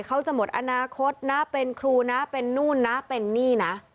เขาจะหมดอนาคตนะเป็นครูนะเป็นนู่นนะเป็นนี่นะ